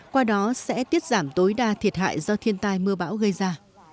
qua đó sẽ tiết giảm tối đa thiệt hại do thiên tai mưa bão gây ra